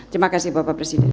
terima kasih bapak presiden